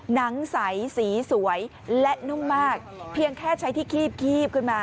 หนังใสสีสวยและนุ่มมากเพียงแค่ใช้ที่คีบขึ้นมา